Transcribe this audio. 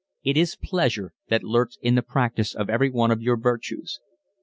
It is pleasure that lurks in the practice of every one of your virtues.